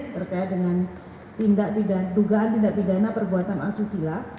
terkait dengan tindak pidana dugaan tindak pidana perbuatan asus silap